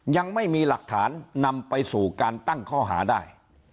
ยังไม่มีหลักฐานนำไปสู่การตั้งข้อหาได้